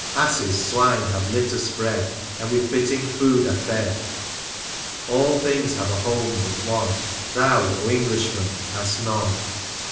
Asses, swine, have litter spread And with fitting food are fed ; All things have a home but one — Thou, Oh, Englishman, hast none